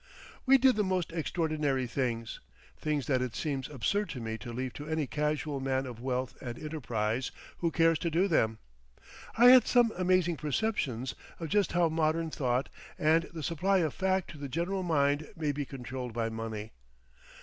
We did the most extraordinary things; things that it seems absurd to me to leave to any casual man of wealth and enterprise who cares to do them. I had some amazing perceptions of just how modern thought and the supply of fact to the general mind may be controlled by money.